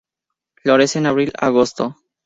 Florece de abril a agosto.